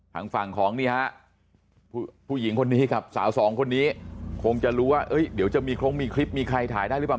ทางฝั่งของนี่ฮะผู้หญิงคนนี้กับสาวสองคนนี้คงจะรู้ว่าเดี๋ยวจะมีโครงมีคลิปมีใครถ่ายได้หรือเปล่า